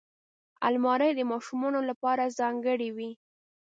الماري د ماشومانو لپاره ځانګړې وي